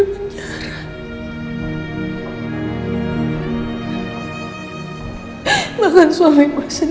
mah adah malam gue